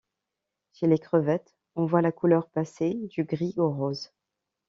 Chez les crevette on voit la couleur passer du gris au rose.